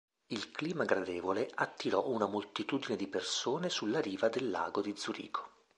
Il clima gradevole attirò una moltitudine di persone sulla riva del lago di Zurigo.